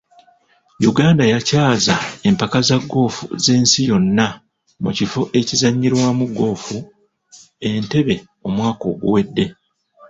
Uganda yakyaza empaka za goofu z'ensi yonna mu kifo ekizannyirwamu goofu Entebbe omwaka oguwedde.